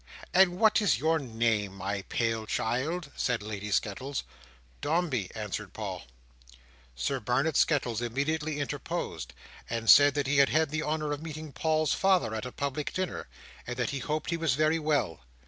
"And what is your name, my pale child?" said Lady Skettles. "Dombey," answered Paul. Sir Barnet Skettles immediately interposed, and said that he had had the honour of meeting Paul's father at a public dinner, and that he hoped he was very well.